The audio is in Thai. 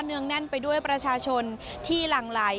งแน่นไปด้วยประชาชนที่หลั่งไหล